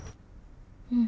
うん。